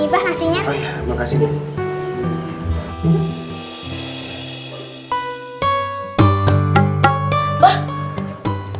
ibah nasinya makasih